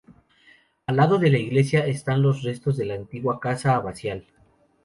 Al lado de la iglesia están los restos de la antigua casa abacial.